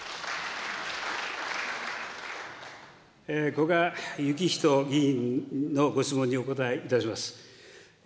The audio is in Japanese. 古賀之士議員のご質問にお答えいたします。